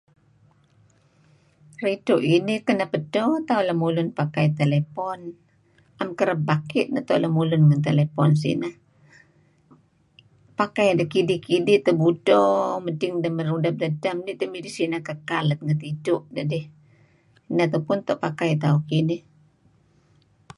Ridtu' inih kenep edto tauh lemulun pakai telepon. Na'em kereb paki' neto lemulun ngen telefon sineh. Pakai deh tebudto paad-paad ideh mey rudap dedtem kidih tideh nuk midih sineh kekal let ngen tidtu' dedih. Ineh tupu neto' tu'en tauh pakai kinih.